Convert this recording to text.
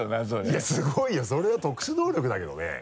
いやすごいよそれは特殊能力だけどね。